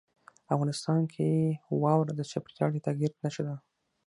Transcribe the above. افغانستان کې واوره د چاپېریال د تغیر نښه ده.